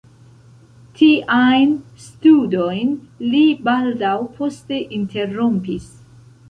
Tiajn studojn li baldaŭ poste interrompis.